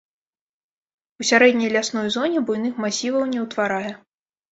У сярэдняй лясной зоне буйных масіваў не ўтварае.